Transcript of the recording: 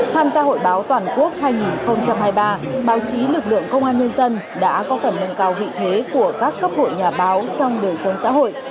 tham gia hội báo toàn quốc hai nghìn hai mươi ba báo chí lực lượng công an nhân dân đã có phần nâng cao vị thế của các cấp hội nhà báo trong đời sống xã hội